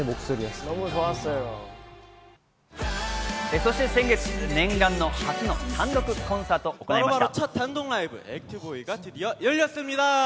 そして先月、念願の初の単独コンサートを行いました。